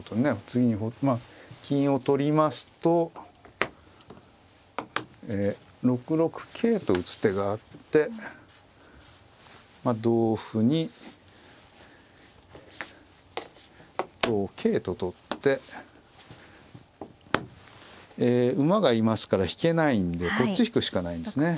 次に金を取りますと６六桂と打つ手があって同歩に同桂と取ってえ馬がいますから引けないんでこっちへ引くしかないんですね。